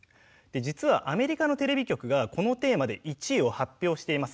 実はアメリカのテレビ局がこのテーマで１位を発表しています。